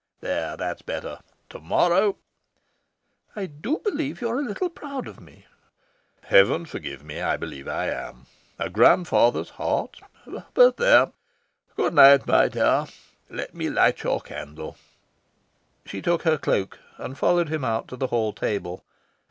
There, that's better. To morrow " "I do believe you're a little proud of me." "Heaven forgive me, I believe I am. A grandfather's heart But there, good night, my dear. Let me light your candle." She took her cloak, and followed him out to the hall table.